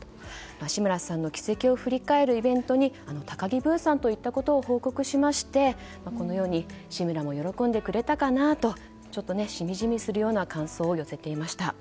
志村さんの軌跡を振り返るイベントに高木ブーさんと行ったことを報告しまして、このように志村も喜んでくれたかなとしみじみするような感想を寄せていました。